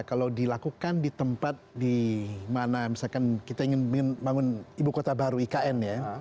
kalau dilakukan di tempat di mana kita ingin membangun kota baru ikn